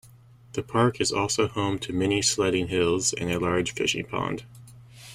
The park is also home to many sledding hills and a large fishing pond.